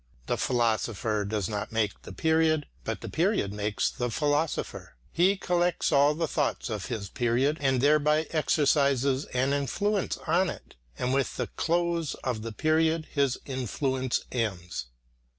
The philosopher does not make the period, but the period makes the philosopher. He collects all the thoughts of his period and thereby exercises an influence on it, and with the close of the period his influence ends.